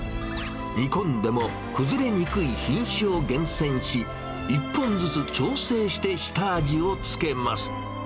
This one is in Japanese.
煮込んでも崩れにくい品種を厳選し、１本ずつ調整して下味を付けます。